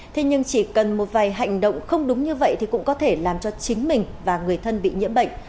thế nhưng chỉ cần một vài hành động không đúng như vậy thì cũng có thể làm cho chính mình và người thân bị nhiễm bệnh